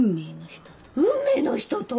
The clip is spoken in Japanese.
運命の人と？